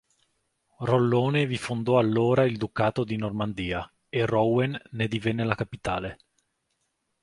Rollone vi fondò allora il Ducato di Normandia, e Rouen ne divenne la capitale.